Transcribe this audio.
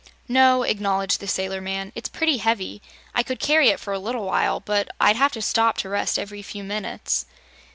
"No," acknowledged the sailor man; "it's pretty heavy. I could carry it for a little while, but I'd have to stop to rest every few minutes."